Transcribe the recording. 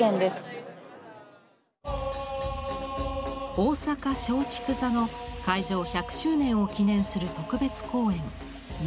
大阪松竹座の開場１００周年を記念する特別公演「幽玄」。